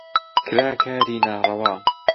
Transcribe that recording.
کرا کاری ناڕەوا